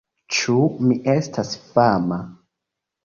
Ĉu mi estas fama?